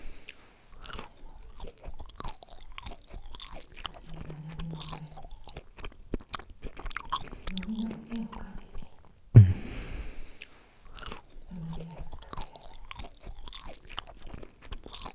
私は好美が何も恐れずにのびのび絵を描いていけるそんな未来を作ってやりたいんです。